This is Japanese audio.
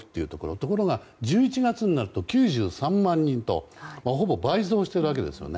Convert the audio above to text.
ところが、１１月になると９３万人とほぼ倍増しているわけですよね。